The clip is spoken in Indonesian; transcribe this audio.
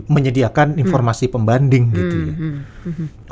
menyediakan informasi pembanding gitu ya